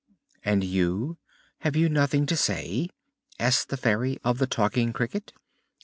"And you have you nothing to say?" asked the Fairy of the Talking Cricket.